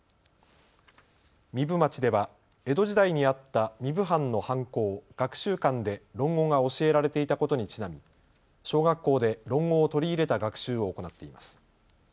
壬生町では江戸時代にあった壬生藩の藩校、学習館で論語が教えられていたことにちなみ、小学校で論語を取り入れた学習を行っています。